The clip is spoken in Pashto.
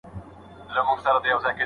غږ بهر نه اورېدل کېږي.